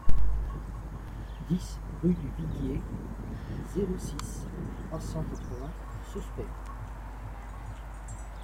dix rue du Viguier, zéro six, trois cent quatre-vingts Sospel